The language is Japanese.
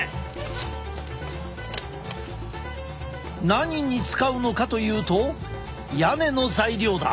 何に使うのかというと屋根の材料だ。